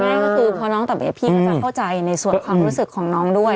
เอาง่ายก็คือเพราะน้องต่อไปพี่เขาจะเข้าใจในส่วนความรู้สึกของน้องด้วย